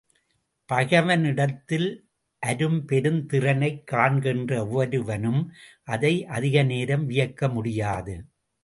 பகைவனிடத்தில் அரும்பெரும் திறனைக் காண்கின்ற ஒவ்வொருவனும் அதை அதிக நேரம் வியக்க முடியாது.